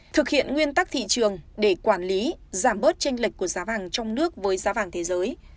thực hiện nguyên tắc thị trường để quản lý giảm bớt tranh lệch của giá vàng trong nước với giá vàng thế giới